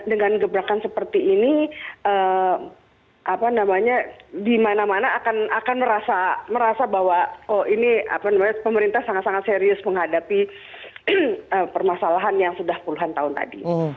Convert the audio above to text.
dengan gebrakan seperti ini dimana mana akan merasa bahwa pemerintah sangat serius menghadapi permasalahan yang sudah puluhan tahun tadi